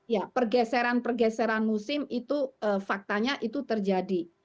ya pergeseran pergeseran musim itu faktanya itu terjadi